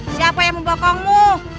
siapa yang membokongmu